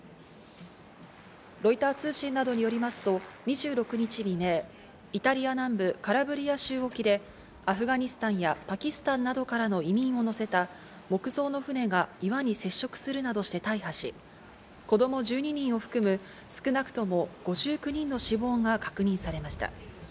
ロイター通信などによりますと、２６日未明、イタリア南部カラブリア州沖でアフガニスタンやパキスタンなどからの移民を乗せた木造の船が岩に接触するなどして大破し、子供１２人を含む少なくとも５９人の死亡が確認されました。